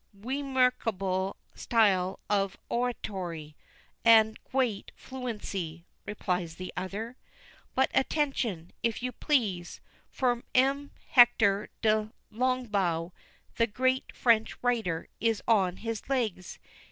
Wemarkable style of owatowy and gweat fluency," replies the other. But attention, if you please! for M. Hector de Longuebeau, the great French writer, is on his legs.